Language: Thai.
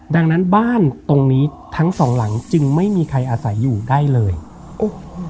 ดังนั้นบ้านตรงนี้ทั้งสองหลังจึงไม่มีใครอาศัยอยู่ได้เลยโอ้โห